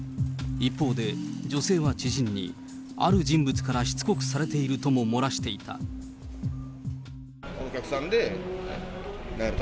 一方で、女性は知人に、ある人物からしつこくされているとも漏らしていた。